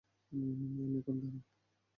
আমি এখন দানব।